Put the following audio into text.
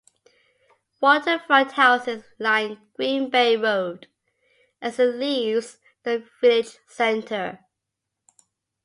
Waterfront houses line Green Bay Road as it leaves the village center.